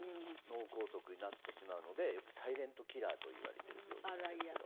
脳梗塞になってしまうのでサイレントキラーと言われてる病気なんですけど。